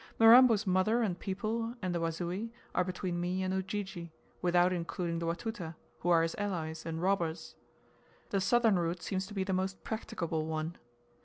Mirambo's mother and people, and the Wasui, are between me and Ujiji, without including the Watuta, who are his allies, and robbers. The southern route seems to be the most practicable one.